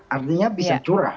artinya bisa curah